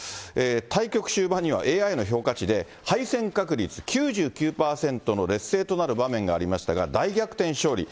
対局終盤にはＡＩの評価値で、敗戦確率９９％の劣勢となる場面がありましたが、大逆転勝利。